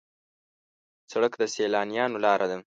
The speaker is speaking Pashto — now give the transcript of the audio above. سړک د سیلانیانو لاره ده.